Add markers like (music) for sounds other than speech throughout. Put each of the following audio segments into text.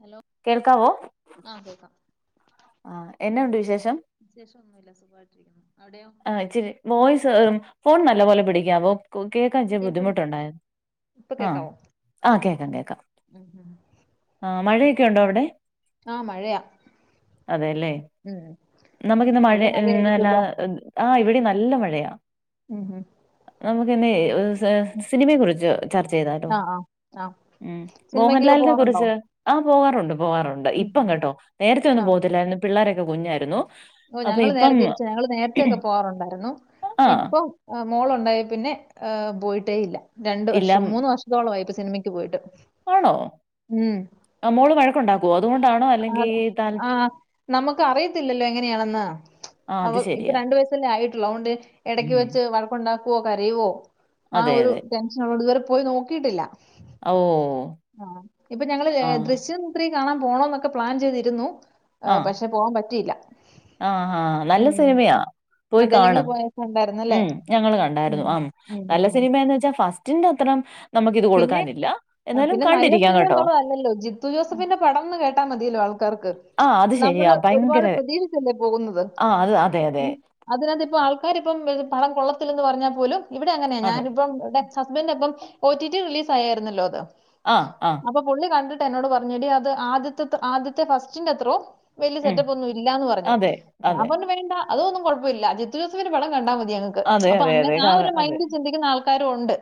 Hello കേൾക്കാവോ ആഹ് കേക്കാം ആ എന്നുണ്ട് വിശേഷം വിശേഷോന്നുവില്ല സുഖായിട്ടിരിക്കുന്നു അവടെയോ? (unintelligible) വോയിസ് ഫോൺ നല്ല പോലെ പിടിക്കാവോ കേക്കാ ഇച്ച കേൾക്കുന്നില്ലേ ബുദ്ധിമുട്ടുണ്ടാരുന്നു ഇപ്പൊ ആം കേക്കാവോ ആഹ് കേക്കാം കേക്കാം ഉം ഉം ആഹ് മഴയൊക്കെ ഒണ്ടോ അവടെ? ആഹ് മഴയാ അതെല്ലേ ഉം നമുക്കിന്ന് മഴേ അവിടെ അല്ല മഴയായിരിക്കുമല്ലോ ആഹ് ഇവടേം നല്ല മഴയാ ഉം ഉം നമുക്കിന്നെ ഉം. സിനിമേ കുറിച്ച് ചർച്ച ചെയ്താലോ? ആ ആ ആ ഉം സിനിമയ്ക്കൊക്കെ മോഹൻലാലിനെ പോവാറുണ്ടോ കുറിച്ച് ആഹ് പോകാറുണ്ട് പോകാറുണ്ട് ഉം ഇപ്പം ഉം കേട്ടോ നേരത്തെ ഒന്നും പോകത്തില്ലായിരുന്നു പിള്ളേരൊക്കെ കുഞ്ഞാരുന്നു ഓഹ് ഞങ്ങള് നേരെ തിരിച്ചാ ഞങ്ങള് നേരത്തൊക്കെ പോവാറുണ്ടാരുന്നു ആ ഇപ്പോ ആഹ് മോളോണ്ടായെ പിന്നെ ഏഹ് പോയിട്ടേ ഇല്ല രണ്ടു ഇല്ല വർഷം മൂന്ന് വർഷത്തോളായിപ്പോ സിനിമക്ക് പോയിട്ട് ഉം ആഹ് മോള് വഴക്കൊണ്ടാക്കുവോ അതുകൊണ്ടാ അത് ആഹ് നമുക്ക് അറിയത്തില്ലല്ലോ എങ്ങനെയാണെന്ന് ആ അവ അത് ഇപ്പോ ശെരിയാ. രണ്ടു വയസല്ലേ ആയിട്ടുള്ളു അതുകൊണ്ട് എടക്ക് ഉം. വെച്ച് വഴ ക്കൊണ്ടാക്കുവോ കരയുവോ ആ അതെ ഒരു അതെ. ടെൻഷനൊള്ളൊണ്ട് ഇതുവരെ പോയി നോക്കിട്ടില്ല ഓ! ആഹ് ഇപ്പോ ഞങ്ങള് ആ. ദൃശ്യം ത്രീ കാണാൻ പോകണംന്നൊക്കെ പ്ലാൻ ചെയ്തിരുന്നു ആഹ് പഷേ പോകാൻ പറ്റിലാ ആഹ് ആഹ് നല്ല സിനിമയാ പോയി അതേല്ലേ കാണ് ഇങ്ങള് പോയപ്പോ ഉണ്ടായിരുന്നല്ലേ ഉം ഞങ്ങള് ഉം കണ്ടായിരുന്നു അം ഉം ഉം നല്ല ഉം സിനിമേന്ന് വെച്ചാ ഫസ്റ്റിന്റെ അത്രം നമക്കിത് പിന്നെ കൊടുക്കാനില്ല എന്നാലും കണ്ടിരിക്കാം കേട്ടോ അല്ലല്ലോ ജി ത്തു ജോസഫിന്റെ പടംന്ന് കേട്ടാ മതിയല്ലോ ആൾക്കാർക്ക് ആ അത് ശെരിയാ. നമ്മള് ഭയങ്കര ഒരുപാട് പ്രതീഷിച്ചല്ലേ പോകുന്നത് ആ അത് അതെ അതെ. ഉം അതിനകത്ത് ഇപ്പം ആൾക്കാർ ഇപ്പം പടം കൊള്ളത്തില്ലന്ന് പറഞ്ഞാൽ പോലും ഇവിടെ അങ്ങനെയാ അതെ. ഞാനിപ്പം ടെ ഹസ്ബൻഡ് അപ്പം ഒ ടി ടി റിലീസ് ആയായിരുന്നല്ലോ അത് ആഹ് ആഹ് അപ്പൊ പുള്ളി കണ്ടിട്ട് എന്നോട് പറഞ്ഞു എടി അത് ആദ്യത്തെത്ത ആദ്യത്തെ ഫസ്റ്റിന്റെ അത്രോം വെല്യ ഉം. സെറ്റപ്പ് ഒന്നും ഇല്ലാന്ന് പറഞ്ഞു അതെ. ഞാൻ അതെ. പറഞ്ഞു വേണ്ട അതു ഒന്നും കുഴപ്പ ഇല്ല. ജിത്തു ജോസഫ് ൻ്റെ പടം കണ്ടാ മതി ഞങ്ങൾക്ക് അതെ അപ്പൊ അതെ അങ്ങ അതെ. ആ കാര ഒരു അതെ. മൈൻഡ് ചിന്തിക്കുന്ന ആൾ കാരു ഉണ്ട്.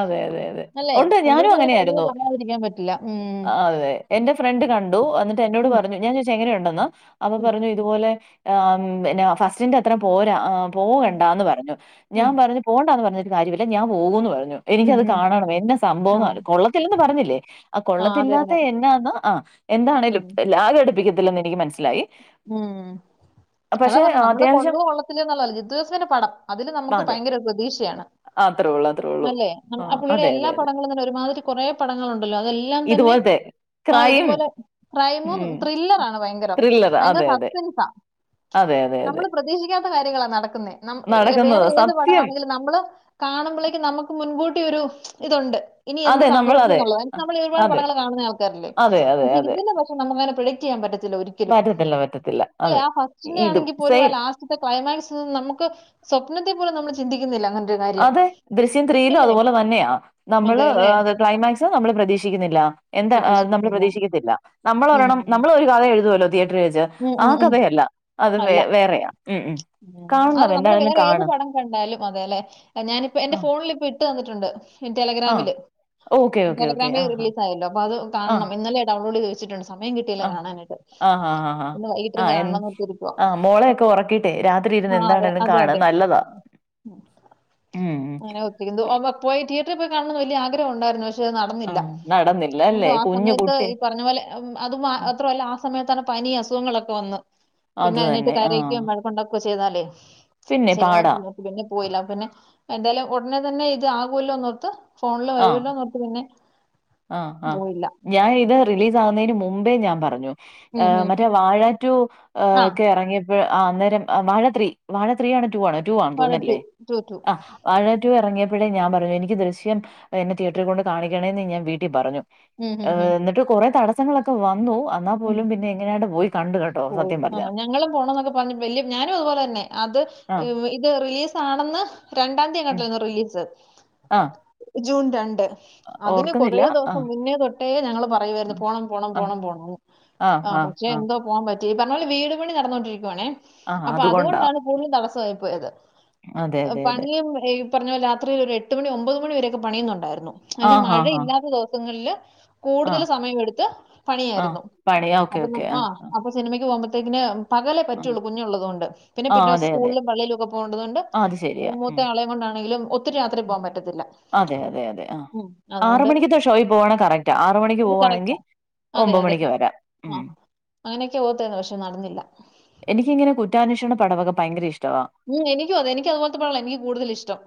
അതെ അതെ അതെ അല്ലേ ഉണ്ട് ഞാനും പുള്ളിയുടെ ഒരു കഴിവ് അങ്ങനെയായിരുന്നു. പറയാതിരിക്കാൻ പറ്റില്ല ഉം ആ, അതെ. എന്റെ ഫ്രണ്ട് കണ്ടു എന്നിട്ട് എന്നോട് ഉം പറഞ്ഞു ഞാൻ ചോയിച്ചു എങ്ങനെ ഉണ്ടെന്ന് അപ്പൊ പറഞ്ഞു ഇതുപോലെ ഏഹ് ന്നെ ഫസ്റ്റിന്റെ അത്ര പോരാ ഉം പോവണ്ടാ എന്ന് പറഞ്ഞു ഉം ഞാൻ പറഞ്ഞു പോണ്ടാന്ന് പറഞ്ഞിട്ട് കാര്യവില്ല ഞാൻ പോകൂന്ന് പറഞ്ഞു ഉം ഉം എനിക്കത് ഉം കാണണം എന്നാ ആ സംഭവംന്ന കൊള്ളത്തില്ലന്ന് പറഞ്ഞില്ലേ ആ അതെ കൊള്ളത്തില്ലാത്ത അതെ എന്നാന്ന് ആഹ് എന്താണേലും ഉം ലാരും അടുപ്പിക്കത്തില്ലന്ന് എനിക്ക് മനസ്സിലായി ഉം അതാ പക്ഷെ പറഞ്ഞത് നമ്മള് അത്യാവശ്യം കൊള്ളുവോ കൊള്ളത്തില്ലെയോന്നുള്ളതല്ല ജിത്തു ജോസഫിന്റെ പടം അതില് നമുക്ക് അതെ. ഭയങ്കര ഒരു പ്രതീക്ഷയാണ് അത്രേ ഉള്ളു അത്രേ ഉള്ളു അല്ലേ ആ പുള്ളിയുടെ എല്ലാ പടങ്ങളും തന്നെ ഒരുമാതിരി കൊറെ പടങ്ങളുണ്ടല്ലോ അതെല്ലാം തന്നെ ഇതുപോലത്തെ ആഹ് ക്രൈം, ഇതുപോലെ ക്രൈമും ത്രില്ലറാണ് ഭയങ്കരം ത്രില്ലർ ഭയങ്കര അതെ, അതെ. സസ്പെൻസാ അതെ, അതെ, അതെ. നമ്മള് പ്രതീക്ഷിക്കാത്ത കാര്യങ്ങളാ നടക്കുന്നേ നം വെ വേറെ നടക്കുന്നത് ഏത് സത്യം. പടമാണെലും നമ്മള് കാണുമ്പളേക്കും നമുക്ക് മുൻകൂട്ടി ഒരു ഇതുണ്ട് ഇനി എന്ത് അതെ നമ്മൾ സംഭവിക്കും അതെ എന്നുള്ളത് (unintelligible) അ- നമ്മൾ ഒരുപാട് അതെ പടങ്ങൾ കാണുന്ന ആൾക്കാരല്ലേ അതെ അതെ പക്ഷെ ഇതില് പ ക്ഷെ നമുക്കങ്ങനെ പ്രെഡിക്റ്റെയ്യാൻ പറ്റത്തില്ല ഒരി പാറ്റത്തില്ല പറ്റത്തില്ല അല്ലെ അതെ ആ ഫസ്റ്റിന്റെ ഇതും ആണെങ്കി പോലും ആ സെയിം ലാസ്റ്റ് ത്തെ ക്ലൈമാക്സ് നമുക്ക് സ്വപ്നത്തി പോലു നമ്മൾ ചിന്തിക്കുന്നില്ല അങ്ങൻ അതെ ദൃശ്യം ത്രീയിലും അതുപോലെ തന്നെയാ അതെ നമ്മള് അല്ലേ ഏഹ് അ ക്ലൈമാക്സ് ല് നമ്മൾ പ്രതീക്ഷിക്കുന്നില്ല എന്താ നമ്മൾ പ്രതീക്ഷിക്കുന്നില്ല പ്രതീക്ഷിക്കത്തില്ല നമ്മൾ ഉം. ഒരെണം നമ്മൾ ഒര് കഥ എഴുതുവല്ലോ തിയേറ്ററി വെച്ച് ഉം, ആ ഉം, ഉം. കഥയല്ല അത് വേ വേറെയാ ഉം ഉം ആഹ് കാണണം നമ്മള് എന്താണെങ്കിലും വേറെ ഏത് കാണ് പടം കണ്ടാലും അതെല്ലെ ഞാനിപ്പോ ആ എന്റെ ഫോണിലിപ്പ ഇട്ട് തന്നിട്ടുണ്ട് ആ ടെലഗ്രാമില് ഓക്കെ ഓക്കെ ഓക്കെ ആ ടെലഗ്രാമില് റിലീസ് ആയല്ലോ അപ്പൊ അത് ആ ആ കാണണം ഇന്നലെയാ ഡൗൺലോഡ് ചെയ്ത് വെച്ചിട്ടുണ്ട് സമയം കിട്ടില്ല ആ കാണാനായിട്ട് ആ ആ ആ ഇന്ന് ആ വൈകിട്ടിരിന്ന് എൻ കാണണംന്ന് ഓർത്തിരിക്കുവാ ആ മോളെയൊക്കെ ഉറക്കിയിട്ടെ രാത്രി ആ ഇരുന്ന് എന്താണേ അതെ ര്ന്ന് അതെ കാണാൻ അതെ നല്ലതാ ഉം ഉം (unintelligible) ഒമ പോയി തിയറ്ററിൽ പോയി കാണണംന്ന് വലിയ ആഗ്രഹ ഉണ്ടായിരുന്നു. പഷ് ഷെ അത് നടന്നില്ല. ആഹ് നടന്നില്ല അല്ലേ എന്തോ ആ കുഞ്ഞു സമയത്ത് കുട്ടി ഈ പറഞ്ഞ പോലെ അതുമാത്രവല്ല ആ സമയത്താണ് പനി അസുഖങ്ങളൊക്കെ വന്ന് അത് പിന്നെ അതിനെയിട്ട് തന്നെ ആഹ് കരയിക്കാൻ വയ ത്തോണ്ടാ ക്കചെയ്താലേ പിന്നെ പാടാം ശരിയാവത്തില്ലോർ പിന്നെ പോയില്ല പിന്നെ എന്തായാലും ഉടനെ തന്നെ ഇത് ആകൂല്ലോന്നോർത്ത് ഫോണിൽ ആഹ് വരൂല്ലോന്നോർ ത്ത് പിന്നെ ആഹ് ആഹ് പോയില്ല ഞാൻ ഇത് റിലീസ് ആവുന്നേന് മുമ്പേ ഞാൻ പറഞ്ഞു ഉം ഏഹ് ഉം മറ്റേ വാഴ ടു ഏഹ് ആ ഒക്കെ എറങ്ങിയപ്പോ ആഹ് അന്നേരം വാഴ ത്രീ വാഴ ത്രീ ആണ് ടൂ ആണൊ ടു ആണ് അവിടെ ടു തോന്നുന്നല്ലേ ടു ടു ആഹ് വാഴ റ്റു എറങ്ങിയപ്പഴേ ഞാൻ പറഞ്ഞു എനിക്ക് ദൃശ്യം എന്നെ തിയേറ്ററി കൊണ്ട് കാണിക്കണേ ന്ന് ഞാൻ വീട്ടിൽ പറഞ്ഞു ഉം ഉം ഏഹ് ഉം എന്നിട്ട് കുറെ തടസ്സങ്ങളൊക്കെ വന്നു അന്നാൽ ഉം. പോലും പിന്നെ എങ്ങനെയാണ്ട് പോയി കണ്ടു കേ പോയി ആ ഞങ്ങളും പോണം ന്നൊക്കെ പറഞ്ഞ് വല്യ ഞാനും അത് പോലെന്നെ അത് ആഹ് ഇ ഇത് റിലീസ് ആണെന്ന് രണ്ടാം തീയതി അങ്ങട്ടില്ലാർന്നോ റിലീസ് ആഹ് ജൂൺ രണ്ട് അതിന് കൊറേ ഓർക്കുന്നില്ല ദിവസം ആഹ് മുന്നേ തൊട്ടേ ഞങ്ങള് പറയുയായിരുന്നു ആഹ് പോണം പോണം പോണം പോണം ന്ന് ആഹ് ആഹ് ആഹ് പോകാൻ പറ്റി പറഞ്ഞ പോല് വീട് പണി നടന്നുകൊണ്ടിരിക്കുവാണേ ആഹ് അപ്പൊ അതുകൊണ്ടാ അതുകൊണ്ടാണ് സ്കൂളിനും തടസ്സായി പോയത് അതെ അതെ അതെ പണിയും ഈ ഈപറഞ്ഞ പോലെ രാത്രില് ഒരേട്ട് മണി ഒൻമ്പത് മണിവരെയൊക്കെ പണിയുന്നുണ്ടായിരുന്നു എന്നാ ആഹ് ഹാ മഴ ഹാ ഇല്ലാത്ത ദിവസങ്ങളില് കൂടുതൽ ആഹ് സമയം എടുത്ത് ആഹ് പണിയായിരുന്നു പണി ഓക്കെ അപ്പൊ ഓക്കെ നം ആഹ് അപ്പൊ സിനിമക്ക് പോവ്മ്പത്തേക്ക്ന് ആഹ് പകലേപറ്റൊള്ളു കുഞ്ഞുള്ളതോണ്ട് പിന്നെ ആഹ് അതെ അതെ പിന്നസ്കൂളിലും പള്ളീലും ഒക്കെ പോണ്ടതോണ്ട് ആഹ് അത് ശരിയാ മൂത്ത ഉം ആളെ കൊണ്ടാണെങ്കിലും ഒത് ഒത്തിരി രാത്രി പോകാൻ പറ്റത്തില്ല അതെ അതെ അതെ ആഹ് ആറ് അതുകൊണ്ട് മണിക്കത്തെ ഷോയിൽ പോവാണെ കറക്റ്റാ ആറ് മണിക്ക് ഇത് പോവാണെങ്കിൽ കറക്റ്റാ അതെ ഒമ്പത് അതെ മണിക്ക് വരാം ആ ഉം അങ്ങനെയൊക്കെ ഓർത്തേര്ന്നു പക്ഷെ നടന്നില്ല എനിക്കിങ്ങനെ കുറ്റാന്വേഷണ പടമൊക്കെ ഭയങ്കര ഇഷ്ടവാ ആഹ് എനിക്കും അതെ എനിക്കതുപോലത്തെ പടാ എനിക്ക് കൂടുതൽ ഇഷ്ടം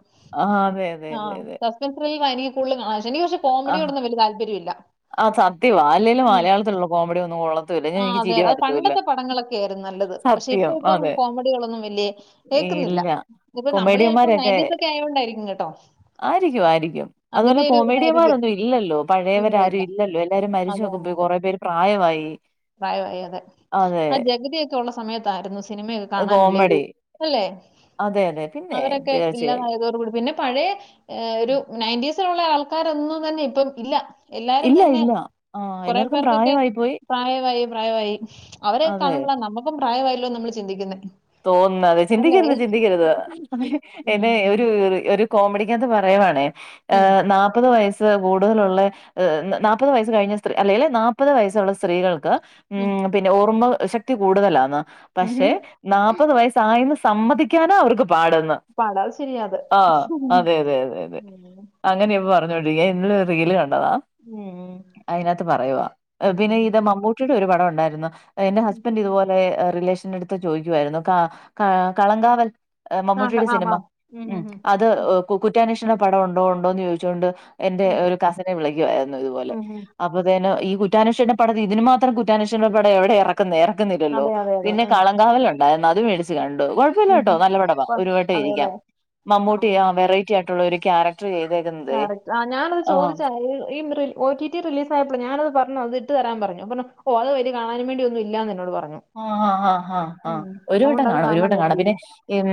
ആഹ് അതെ അതെ അതെ അതെ ആഹ് ത്രൽ എനിക്ക് കൂടുതൽകാണാനിഷ്ടം എനിപഷേ ആഹ് കോമഡിയോടൊന്നുംവല്യ താല്പര്യല്ല ആഹ് സത്യമാ അല്ലേലും മലയാളത്തിലുള്ള കോമഡി ഒന്നും കൊള്ളത്തി ആ അതെ അത് പണ്ടത്തെ പടങ്ങളൊക്കെ ആയിരുന്നു നല്ലത് പക്ഷെ സത്യം ഇപ്പ ഇപ്പൊ അതെ കോമഡികളൊന്നും വല്യ ഏൽക്കുന്നില്ല ഇല്ല ഇനിപ്പൊ നമ്മള് ചിലപ്പോ കൊമേഡിയന്മാരൊക്കെ നയന്റീസ് ഒക്കെ ആയോണ്ടായിരിക്കും കേട്ടോ ആയിരിക്കും ആയിരിക്കും അതുപോലെ അതിന്റെ ഒരു ഇതായിരിക്കും. കോമേഡിയന്മാരൊന്നും ഇല്ലല്ലോ ഇല്ല പഴയവരാ ഇല്ല. രും ഇല്ലല്ലോ എല്ലാരും മരിചോക്കെ പോയി കൊറേ പേര് പ്രായവായി പ്രായവായി അതെ ആ ജഗതിയൊക്കെ ഉള്ള സമയത്തായിരുന്നു സിനിമയൊക്കെ കാണാൻ അല്ലേ ഒരു കോമഡി. അല്ലേ അതെ, അതെ. പിന്നെ അവരെക്കെ തീർച്ചയായും. ഇല്ലാതായതോടുകൂടി പിന്നെ പഴേഒരു നയന്റീസിലുള്ള ആൾക്കാരൊന്നും തന്നെ ഇപ്പം ഇല്ല എല്ലാരും ഇല്ല, തന്നെ ഇല്ല. ആ കൊറെ എല്ലാവർക്കും പേർക്കൊക്കെ പ്രായമായി പോയി. പ്രായവായി പ്രായവായി അവരെ അതെ. കാണുമ്പോള നമ്മുക്കും പ്രായമായില്ലോ നമ്മള് ചിന്തിക്കുന്ന തോന്ന്ന്നത് ചിന്തിക്കരുത് ചിന്തിക്കരുത് എന്നെ ഒരു ഉം. ഒരു കോമഡിക്കകത്ത് പറയുവാണേ ഏ ഉം. നാല്പ്പത് വയസ് കൂടുതലുള്ളെ നാല്പ്പത് വയസ് കഴിഞ്ഞ സ്ത്രീ അല്ലെങ്കിൽ നാപ്പത് വയസ്സുള്ള സ്ത്രീകൾക്ക് ഉം പിന്നെ ഓർമ്മ ശക്തി കൂടുതലാന്ന് പക്ഷെ ഉഹും. നാല്പ്പത് വയസ്സായിന്ന് സമ്മതിക്കാനാ അവർക്ക് പാടന്ന് പടാ ശരിയാ അത്. ആഹ് അതെ അതെ അതെ അതെ ഉം. അങ്ങനെയ ഇപ്പ പറഞ്ഞൊണ്ടിരിക്ക ഞൻ ഇന്നലെ ഒരു റീല് കണ്ടതാ അതിനകത്ത് പറയവാ പിന്നെ ഉം. ഇത് മമ്മൂട്ടിയുടെ ഒരു പടം ഉണ്ടായിരുന്നു എന്റെ ഹസ്ബന്റ് ഇതുപോലെ റിലേഷൻ എടു ചോയ്ക്കു വായിരുന്നു ക കളങ്കാവൽ ആ ക മമ്മൂട്ടിടെ ആം സിനമ ആം. ഉം അത് കുറ്റാന്വേഷണ പടം ഉണ്ടോ ഉണ്ടോ എന്ന് ചോദിച്ചുകൊണ്ട് എന്റെ ഉം. ഒരു കസിനെ വിളിക്കുവായിരുന്നു ഇതുപോലെ ഉം ഉം. അ ആഹ് ഈ കുറ്റാനുഷേൻ പടം ഇതിന് മാത്രം കുറ്റാനുഷൻ പടം എവിടെ ഇറക്ക എർക്കുന്നില്ലല്ലോ അതെ അതെ അതെ. പിന്നെ ഉം. കളംങ്കാവലുണ്ടായിരുന്ന് അത് മേടിച്ചച്ച് കണ്ട് കെഴ ഉം ഉം. (unintelligible) നല്ലപടവാ പ്പ ഒരു വട്ടം അതേല്ലേ? ഇരിക്കാം ആ മമ്മൂട്ടി ആഹ് വെറൈറ്റി ആയിട്ടുള്ള ഒരു ക്യാരക്ടർ ചെയ്ത് ക്യാരറ്റ് ആഹ് ഞാനത് ചോദിച്ചാ ഈ മ്റി ഓടിടി റിലീസ് ആയപ്പോ ഞാനത് പറഞ്ഞു അത് ഇട്ട് തരാൻ പറഞ്ഞു ഓ അത് വല്യയാ കാണാനൻ വേണ്ടിയന്നും ഇല്ല എന്നോട് പറഞ്ഞു ആഹ് ആഹ് ആഹ് ഉം. ഒരു വട്ടം അതുകൊണ്ട് അത് കാണും ഒരു കാണാൻ വട്ടം കാണും പറ്റിയില്ല. പിന്നെ ഉം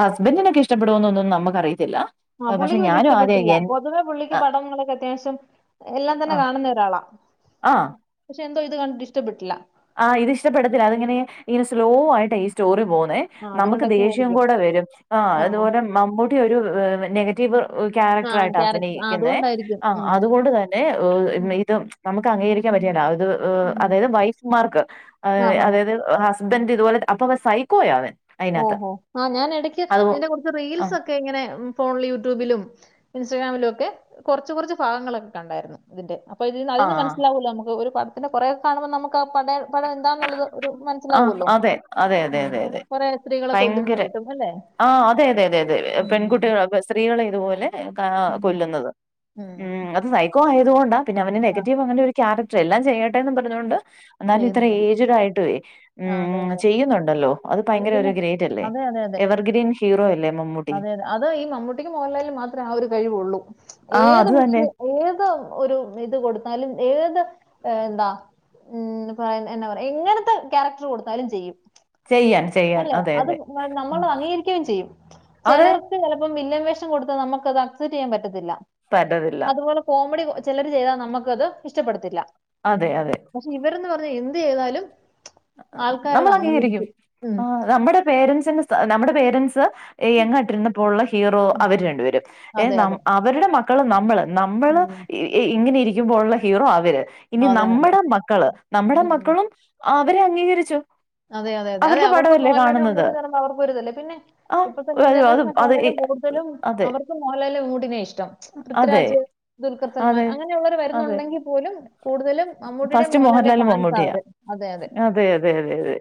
ഹസ്ബൻഡിനൊക്കെ ഇഷ്ടപ്പെടുോന്നൊന്നും നമുക്ക് അറിയത്തില്ല ആഹ് പുള്ളിക്ക് വലിയ ഇഷ്ടപ്പെട്ടില്ല പൊതുവേ പുള്ളിക്ക് ആഹ് പടങ്ങളൊക്കെ അത്യാവശ്യം എല്ലാം തന്നെ ആഹ് കാണുന്ന ഒരാളാ ആഹ് പക്ഷെ എന്തോ ഇത് കണ്ടിട്ട് ഇഷ്ടപെട്ടില്ല ആഹ് ഇത് ഇഷ്ടപ്പെത്തില്ല അത് ഇങ്ങനെ ഇങ്ങനെ സ്ലോ ആയിട്ടാ ഈ സ്റ്റോറി പോകുന്ന് ആ നമുക്ക് അതുകൊണ്ടൊക്കെ ദേഷ്യം ആയിരിക്കും കൂടെ വരും ആഹ് ആ അതുപോലെ മമ്മൂട്ടി ഒരു നെഗറ്റീവ് ആ ക്യാരക്ടറായിട്ടാ ക്യാരക്ടർ ആ അഭിനയിക്കുന്നെ അതുകൊണ്ടായിരിക്കും ആ ഉം അതുകൊണ്ട് തന്നെ ഉം ഇതും നമുക്ക് അംഗീകരിക്കാൻപറ്റ്കേല അത് ഉം. ഉം. അതായത് വൈറ്റ്മാർക്ക് ആഹാ അതായത് ഹുസ്ബന്റ് ഇതുപോലെ അപ്പൊ അവൻ സൈക്കോയാണ് ഓഹോ ആഹ് ഞാൻ ഇടക്ക് ഇതിന്റെ കൊറച്ച് ആഹ് റീൽസ്ഒ ക്കെ ഇങ്ങനെ ഫോണിൽ യൂട്യൂബിലും ഇൻസ്റ്റാഗ്രാമിലും ഒക്കെ കൊറച്ച് കൊറച്ച് ഭാഗങ്ങളൊക്കെ കണ്ടായിര്ന്ന് ഇതിന്റെ അപ്പ അതുനല്ല ആഹ് മനസിലാവൂല നമുക്ക് ഒരു പടത്തിന്റെ കുറെ ഒക്കെ കാണുമ്പോ നമക്ക് ഒരു പടത്തിന്റെ കൊറെ കാണുമ്പൊ നമുക്ക് ആ പടം എന്താന്നുള്ളത് ഒരു ആഹ് മനസ്സിലാവുമല്ലോ അതെ അതെ ഉം. അതെതെ അതെ കുറെ സ്ത്രീകളെ ഭയങ്കര കൊല്ലുന്നതായിട്ടും അല്ലേ ആഹ് അതെതെ അതെതെ ഉം പെൺകുട്ടിക സ്ത്രീകളെ ഇതുപോലെ കാ ഉം കൊല്ലുന്നത് ഉം അത് സൈക്കോ ആയതുകൊണ്ടാ പിന്നെ അവന് ആ നെഗറ്റീവ് അങ്ങനെ ഒരു ക്യാരക്ടറ് എല്ലാം ചെയ്യട്ടെന്ന് പറഞ്ഞുകൊണ്ട് എന്നാലും ഇത്ര ചെയ്യുന്നതായിരിക്കും. ഏജ്ഡ് ആയിട്ടുവേ ആ അതെ ഉം അതെ. ചെയ്യുന്നുണ്ടല്ലോ അത് ഏ, ഭയങ്കര ഒരു പിന്നെ ഗ്രേറ്റ് അല്ലേ എവർഗ്രീൻ ഹീറോ അല്ലേ മമ്മൂ അതെതെ അത് ഈ മമ്മൂട്ടിക്ക് മോഹൻലാലിനും മാത്രമേ ആ ഒരു കഴിവുള്ളൂ ആ ഏത് അത് തന്നെ വിഷയം ഏത് ഒരു ഇത് കൊടുത്താലും ഏത് എന്താ ഉം എന്നാ പറയാ എങ്ങനത്തെ ക്യാരക്ടർ കൊടുത്താലും ചെയ്യും ചെയ്യാൻ ചെയ്യാൻ അല്ലെ അതെ അത് അതെ നമ്മൾ അംഗീകരിക്കുകയും ചെയ്യും അതെ ചെലർക്ക് ചെലപ്പോ വില്ലൻ വേഷം കൊടുത്താൽ നമുക്കത് അസെപ്റ്റ് ചെയ്യാൻ പറ്റത്തില്ല പറ്റത്തില്ല അതുപോലെ കോമഡി ചെലര്ചെയ്താൽ നമ്മ ക്കത് ഇഷ്ടപ്പെടത്തില്ല അതെ അതെ പക്ഷെ ഇവരന്ന് പറഞ്ഞ എന്തെ യ്താലും നമ്മൾ അംഗീകരിക്കും ആഹ് നമ്മുടെ പേരൻസിന് നമ്മുടെ പേരൻസ് യെങ്ങാട്ടിരുന്നപ്പോൾ ഉള്ള ഹീറോ അവര് രണ്ട് പരും ഏ അതെ അതെ. അവരുടെ മക്കള് നമ്മള് നമ്മള് ഉം. ഇങ്ങനെ ഇരിക്കുമ്പോഴുള്ള ഹീറോ അവര് ഇനി അതെ അതെ. നമ്മുടെ മക്കള് നമ്മുടെ ഉം. മക്കളും അവരെ അംഗീകരിച്ചു അതെ അതെ അതെ അവരുടെ അവർക്കും പടമല്ലേ മോഹൻലാല് കാണുന്നത് മമ്മൂട്ടിന്ന് പറയുമ്പൊ അവർക്കും ഒരു ഇതല്ലേ പിന്നെ ആ ഇപ്പഴത്തെ അത് അത് ന്യൂജർനേഷൻ ഒക്കെ അതെ ആണെങ്കിലും കൂടുതലും അതെ അവർക്ക് മോഹൻലാലിനേം മമ്മൂട്ടി നെ ആ ഇഷ്ട്ടം പൃഥ്വിരാജ് ദുൽഖർ സൽമാൻ അതെ അങ്ങനെയുള്ളവർ അതെ വരുന്നുണ്ടെങ്കിൽ പോലും കൂടുതലും മമ്മൂട്ടിയുടെയും ഫസ്റ്റ് മോഹൻലാലിന്റെയും മോഹൻലാല് ഫാൻസാ മമ്മൂട്ടിയാ അവര് അതെ അതെ അതെ അതെ അതെ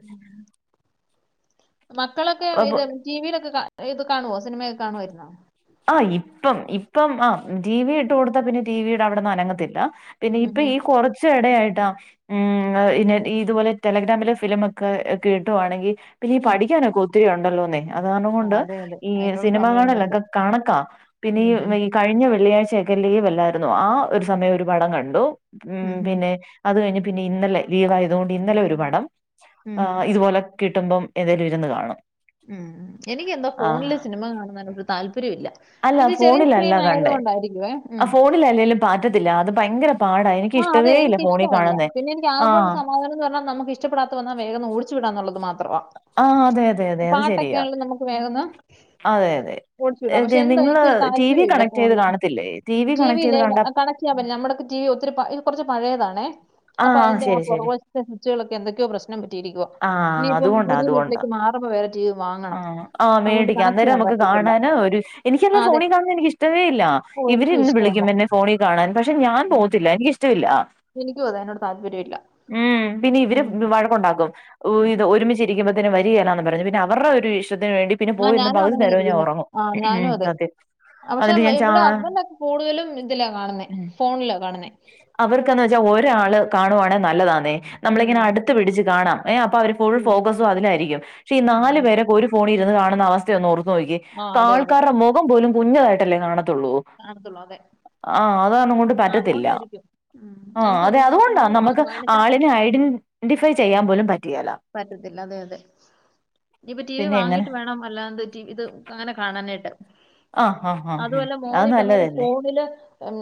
മക്കളൊക്കെ അപ്പൊ ഇത് ടി വിയിലൊക്കെ ഇത് കാണുവോ സിനിമയൊക്കെ കാണുവായിരുന്നാ ആഹ് ഇപ്പം ഇപ്പം ആ ടി വി ഇട്ട് കൊടുത്ത പിന്നെ ടി വിയുടെ അവിടന്ന് അനങ്ങത്തില്ല പിന്നെ ഉം ഇപ്പ ഉം ഈ കുറച്ച് ഇടആയിട്ടാ ഉം (unintelligible) ഇതുപോലെ ടെലഗ്രാമിലെ ഫിലിമൊക്കെ കി ട്ടുവാണെങ്കി പിന്നെ ഈ ഉം. പഠിക്കാനൊക്കെ ഒത്തിരി ഉണ്ടല്ലോന്നെ അത് കാരണം ആ, കൊണ്ട് അതെ അതെ ഈ അതിനുള്ള സിനിമ സമയമൊന്നുമില്ല കാണല്ലൊക്ക കണക്കാ പിന്നെ ഉം ഉം ഈ (unintelligible) കഴിഞ്ഞ വെള്ളിയാഴ്ച്ചയൊക്കെ ലീവല്ലായിരുന്നോ ആ ഒരു സമയം ഒരു പടം കണ്ടു ഉം പിന്നെ അത്കഴിഞ്ഞ് പിന്നെ ഇന്നലെ ലീവായതുകൊണ്ട് ഇന്നലെ ഒരു പടം ഉം ആഹ് ഇതുപോലെ കിട്ടുമ്പം ഏതേലും ഇരുന്ന് കാണും ഉം എനിക്ക് എന്തോ ആഹ് ഫോണില് സിനിമ കാണുന്നതിനോട് ഒരു താല്പര്യം ഇല്ല അല്ല എന്റെ ചെറിയ സ്ക്രീൻ ആയത് കൊണ്ടായിരിക്കുവെ ഉം ഇതിലല്ലെലും പാറ്റത്തില്ല അത് ഭയങ്കര പാടാ. എനിക്ക് ആഹ് അതെ ഇഷ്ടവേ ഇല്ല ഫോണി എനിക്കിഷ്ട്ടവല്ല കാണുന്നേ. പിന്നെ എനിക്ക്ആകപ്പാടെ ആഹ്. ഒരു സമാധാനം എന്ന് പറഞ്ഞൽ നമുക്ക് ഇഷ് ട്ടപ്പെടാത്ത വന്ന വേഗന്ന് ഓ ടിച്ചു വിടാന്നുള്ളത് മാത്രവാ ആ അതെ അതെ അതെ അത് ശരിയാ നമുക്ക് വേഗം ഒന്ന് അതെ അതെ ഓടിച്ചു വിടാം പക്ഷെ എന്തെയ് എന്തോ നിങ്ങള് എനിക്കൊരു ടി വി താല്പര്യം ഇല്ല കണക്റ്റെയ് ഫോണിൽ കാണത്തില്ലേ ടി വി കണക്റ്റെയ്ത് കണ്ട (unintelligible) നമ്മുടെക്കെ ടീവി ഒത്തിരി ഇത് കുറച്ച് പഴയതാണെ അപ്പോ ആഹ് അതിന്റെ ആ ശരി, ശരി. പുറക് വശത്തെ സ്വിച്ച്കളൊക്ക എന്തൊക്കെയോ പ്രശ്നം പറ്റിയിരിക്കുകയാ ഇനി ആഹ് ഇപ്പം അതുകൊണ്ടാ, പുതിയ അതുകൊണ്ടാ. വീട്ടിലേക്ക് മാറുമ്പോൾ വേറെ ടിവി വാങ്ങണം ആഹ്. ആഹ് അതുകൊണ്ട് കണക്ട് ചെയ്യാൻ പറ്റത്തില്ല ആ എനിക്കങ്ങ് അതെ ഫോണിൽ കാണുന്ന എനിക്ക് ഇഷ്ട്ടമേ അല്ല. ഓ ഇവര് എനിക്കും ഇന്ന് ഇഷ്ടമല്ല വിളിക്കും എന്നെ ഫോണി കാണാൻ പക്ഷെ ഞാൻ ഉം. പോകത്തില്ല എനിക്കിഷ്ട്ടല്ലാ എനിക്കും അതെ അതിനോട് താല്പര്യമില്ല ഉം പിന്നെ ഇവര് ഉം. വഴക്കുണ്ടാക്കും ഉവ്വി ഉം. ഇത് ഒരുമിച്ചിരിക്കുമ്പത്തിന് (unintelligible) പറഞ്ഞു പിന്നെ അവരുടെ ഒരു ഇഷ്ട്ടത്തിന് വേണ്ടി പിന്നെ ആ പോയി ഇന്ന് ഞാനും പകൽ അങ്ങനെ നേരോ ഞാൻ ഇരിക്കുന്നത് ഒറങ്ങും ആ ഞാനും അതെ (unintelligible) പക്ഷെ ഇവിടെ ഹസ്ബന്റൊക്കെ കൂടുതലും ഇതിലാ കാണുന്നെ ഫോണില കാണുന്നേ. അവർക്കന്ന് വെച്ചാൽ ഒരാള് കാണുവാണെ നല്ലതാന്നേ ഉം, നമ്മളിങ്ങനെ അടുത്ത് പിടിച്ച് കാണാം ഏഹ് അപ്പോ അവര് ഫുൾ ഉം, ഫോക്കസും അതിലായിരിക്കും. ക്ഷെ ഈ നാല് ഉം. പേരൊക്കെ ഒരു ഫോണി ഇരുന്ന് കാണുന്ന അവസ്ഥ ഒന്ന് ഓർത്തു നോക്കിക്കെ ആ അതെ അതെ ആൾക്കാരുടെ മൊഖം പോലും കുഞ്ഞതായിട്ടല്ലെ കാണത്തുള്ളൂ. കാണത്തൊള്ളു അതെ ആഹ് അതാണങ്ങോട്ട് ആ, പറ്റത്തില്ല. അതുകൊണ്ടായിരിക്കും ഉം. ആഹ് ഞങ്ങൾക്കും അതെ ഇനിയിപ്പോ ടി അതുകൊണ്ടാ വി നമ്മക്ക് വാങ്ങണോ അതിനുവെച്ചാ ആളിനെ ഐഡിൻ ന്റിഫൈ ചെയ്യാൻ പോലും പറ്റിയേല്ല പറ്റത്തില്ല അതെ അതെ. ഇഞ്ഞിപ്പം ടി വി പിന്നെ എങ്ങനെ വാങ്ങിയിട്ട് വേണം അല്ലാത് റ്റി വി ഇത് അങ്ങനെ കാണാനായിട്ട്. ആഹ് ആഹ് ആഹ് ഉം അതുവല്ല അത് മോളി ഈ പർഞ്ഞ പോലെ നല്ലതല്ലേ ഫോണില്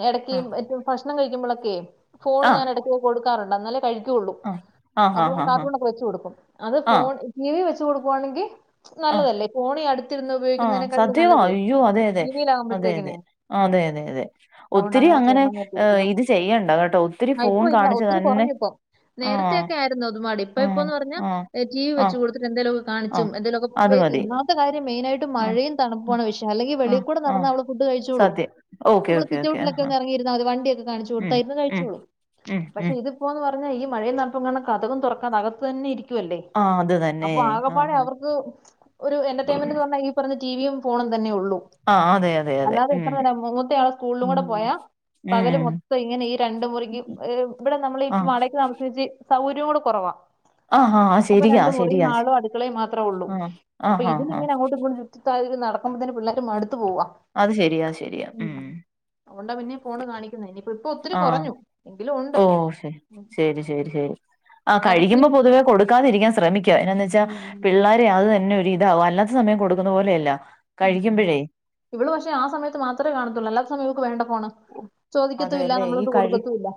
എടയ്ക്ക് ആഹ് (unintelligible) ഭക്ഷണം കഴിക്കുമ്പൊളയ്ക്കെ ഫോണ് ആഹ് ഞാൻ ഇടയ്ക്ക് കൊടുക്കാറുണ്ട് എന്നാലെ കഴിക്കു തൊള്ളൂ. ആഹ് അപ്പോ ആഹ് ആഹ് ആഹ് കാർട്ടൂണൊക്കെ വെച്ച് കൊടുക്കും അത് ആഹ് ഫോൺ ടി വി വെച്ച് കൊടുക്കുവാണെങ്കി ആഹ് നല്ലതല്ലെ ഫോണി അടുത്തിരുന്ന് ആഹ് ഉപയോഗിക്കുന്നതിനേക്കാട്ടിലും സത്യവാ നല്ലതെ അയ്യോ അതെ അതെ ടി വി അതെ അതെ യിലാകുമ്പതന്നെയ്ക്നെ അതെ അതെ അതെ ഒത്തിരി അങ്ങനെ ചെയ്യണം നോക്കിയിരിക്കുന്നു ഇത് ചെയ്യണ്ട കെട്ടോ ഒത്തിരി ഫോൺ കാണിച്ച് തന്നെ പ്പോ ആഹ് നേരത്തെക്കെ ആയിരുന്നു അത് മടി ആഹ് ഇപ്പോന്ന് പറഞ്ഞാ ആഹ് ടി വി വെച്ച് ആഹ് കൊടുത്തിട്ട് എന്തേലൊക്കെ കാണിച്ചും ആഹ് എന്തേലൊക്കെ അത് (unintelligible) മതി ഒന്നാമത്തെ കാര്യം മെയ്നായിട്ട് ആഹ് മഴയും ആഹ് തണുപ്പാണ്‌ വിഷയം അല്ലെങ്കിൽ വെളീൽ ആഹ് കൂടെ ആഹ് നടന്ന അവള് ഫുഡ് കഴിച്ചോളും സത്യം ഓക്കെ നമ്മള് ഓക്കെ ഓക്കെ ആഹ് സിറ്റൗട്ടിലൊക്കെ ആഹ് ഒന്ന് ഇറങ്ങിയിരാൽമതി വണ്ടിയൊക്കെ കാണിച്ച് ഉം കൊടുത്തായിരുന്നുന്ന് ഉം കഴിച്ചോളും ഉം പക്ഷെ ഉം ഇതിപ്പോന്ന് പറഞ്ഞാ ഈ മഴയും തണുപ്പും കാരണം കതകും തുറക്കാതെ അകത് തന്നെ ഇരി തു അല്ലെ. ആഹ് അത് തന്നെ അപ്പോ ആകപ്പാടെ ആഹ് അവർക്ക് ഒരു എന്റർടൈമെന്റ് ആഹ് എന്ന് പറഞ്ഞ ഇ പറഞ്ഞ ടി വി യും ഫോണും തന്നെ ഉള്ളൂ. ആഹ് അതെ അതെ അതെ അല്ലാതെ ഉം ഇത്ര നേരം മൂത്തയാള് സ്കൂളിലും ഉം കൂടെ പോയ പകല് ഉം മൊത്തം ഇങ്ങനെ ഈ രണ്ടു മുറിക്ക് ഇവിടെ നമ്മള് ഇപ്പ ആഹ് വാടകക്ക് താമസിച്ച് സൗകര്യം കൂടെ കുറവാ. ആഹ് ആഹ് അപ്പ ശരിയാ രണ്ട് മുറിം ശരിയാ ഹാളും അടുക്കളെയും മാത്രേ ഉള്ളൂ. ആഹ് അപ്പോ ആഹ് ഇതില് ആഹ് ആഹ് ഇങ്ങനെ അങ്ങോട്ടും ഇങ്ങോട്ടും (unintelligible) നടക്കുമ്പോഴത്തിന് പിള്ളേർക്ക് മടുത്തു പോവാ അത് ശരിയാ ശരിയാ ഉം അതോണ്ട പിന്നീം ഫോണ് കാണി ക്കുന്നെ നിപ്പൊപ്പൊ ആഹ് ഓ ശെ ശരി ശരി ശരി ആഹ് എടക്ക് കഴിക്കുമ്പോ പൊതുവെ കൊടുക്കാതിരിക്കൻ ശ്രമിക്ക എന്നനാന്ന് വെച്ചാ ഉം പിള്ളേര് തെ അത് തന്നെ ഒരുരിതാവും അല്ലാത്ത സമയം കൊടുക്കുന്ന പോലെയല്ല ഉം കഴിക്കുമ്പഴേ ഇവള് പക്ഷെ ആ സമയത്ത് മാത്ര കാണത്തുള്ളൂ അല്ലാത്ത സമയം ഇവൾക്ക് വേണ്ട ഫോണ് ചോദിക്കത്തുല്ല അതെല്ലേ ഈ നമ്മളൊട്ട് കഴി കൊടുക്കത്തുല്ല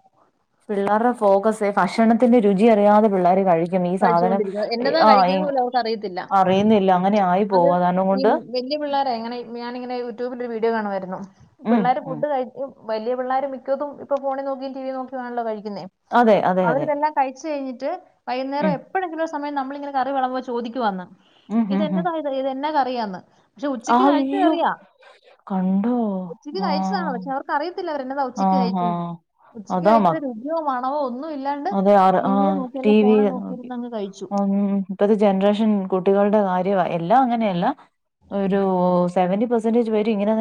പിള്ളേരുടെ ഫോക്കസേ ഭക്ഷണത്തിന്റെ രുചി അറിയാതെ പിള്ളോര് കഴിച്ചു ഈ സാധനം കഴിച്ചോണ്ടിരിക്കും എന്നതാ ആഹ് ഈ കഴിക്കുന്നത് പോലും അവർക്ക് അറിയത്തില്ല അറിയുന്നില്ല അങ്ങനെ ആയി അത് പോവും കാരണം ഈ കൊണ്ട് വല്ല്യ പിള്ളോര ഇങ്ങനെ ഞാനിങ്ങനെ യൂട്യൂബില് ഒരു വീഡിയോ കാണുവായിരുന്നു ഉം പിള്ളേര് ഉം ഫുഡ് കഴി വലിയ പിള്ളേര് മിക്കതും ഇപ്പൊ ഫോണി നോക്കിം ടി വി നോക്കി ആണല്ലോ കഴിക്കുന്നേ അതെ അതെ അതെ അവരിതെല്ലാം കഴിച്ച് കഴിഞ്ഞിട്ട് വൈകുന്നേരം ഉം എപ്പോഴെങ്കിലോ സമയം നമ്മളിങ്ങനെ കറി വിളമ്പ്പോൾ ചോദിക്കുവാന്ന് ഉം ഇത് ഉം ഉം എന്നതാ ഇത് ഇത് എന്നാ കറിയാന്ന് പക്ഷെ ഉച്ചക്ക് കഴിച്ച അയ്യോ കറിയ കണ്ടോ ഉച്ചക്ക് കഴിച്ചതാണ് ആഹ് പക്ഷെ അവർക്ക് അറിയത്തില്ല അവര് എന്നതാ ഉച്ചക്ക് ആഹ് കഴിച്ചതെന്ന് ആഹ് ഉച്ചക്ക് അതാ മ കഴിച്ച രുചിയോ മണ ണമോ ഒന്നും ഇല്ലാണ്ട് അതെ അറി- ആ ടിവിയെ ആഹ് ടി നോക്കിയല്ലെ വി ഫോണെ നോക്കി നോക്കിയിരുന്നങ്ങ് കഴിച്ചു ഉം ഇപ്പത്തെ ജനറേഷൻ കുട്ടികളുടെ കാര്യവാ എല്ലാം അങ്ങനെയല്ല ഒരു സെവന്റി പെസെന്റേജ് പേരും ഇങ്ങനെതന്നെ